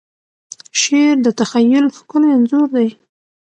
شعر د تخیل ښکلی انځور دی.